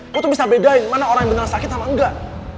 aku tuh bisa bedain mana orang yang benar sakit sama enggak